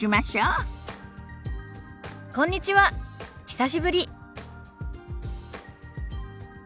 久しぶり。